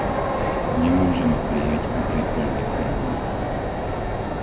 Nemôžeme prijať akékoľvek pravidlá.